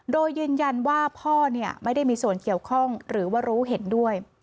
โดยยืนยันว่าพ่อไม่ได้มีส่วนเกี่ยวข้องหรือว่ารู้เห็นด้วย